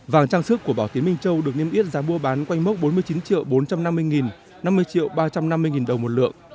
vàng trang sức của bảo tiến minh châu được niêm yết giá mua bán quanh mốc bốn mươi chín triệu bốn trăm năm mươi nghìn năm mươi triệu ba trăm năm mươi đồng một lượng